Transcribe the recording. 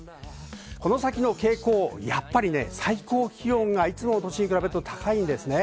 この先の傾向、やっぱりね、最高気温がいつもの年に比べて高いんですね。